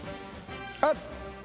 あっ！